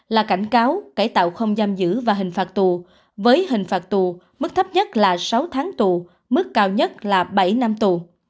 là cảnh cáo cải tạo không giam giữ và hình phạt tù với hình phạt tù mức thấp nhất là sáu tháng tù mức cao nhất là bảy năm tù